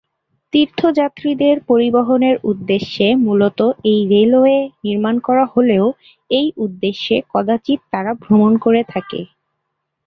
তীর্থযাত্রীদের পরিবহনের উদ্দেশ্যে মূলত এই রেলওয়ে নির্মাণ করা হলেও এই উদ্দেশ্যে কদাচিৎ তারা ভ্রমণ করে থাকে।